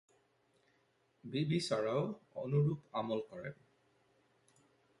বিবি সারাহও অনুরূপ আমল করেন।